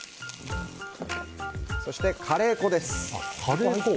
そして、カレー粉です。